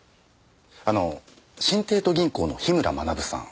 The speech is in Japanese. あの新帝都銀行の樋村学さん